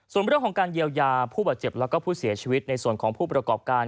ส่วนเรื่องของการเยียวยาผู้บาดเจ็บและผู้เสียชีวิตในส่วนของผู้ประกอบการ